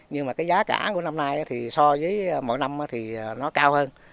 nhưng giá cả của năm nay so với mỗi năm thì nó cao hơn